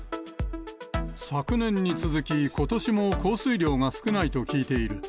昨年に続き、ことしも降水量が少ないと聞いている。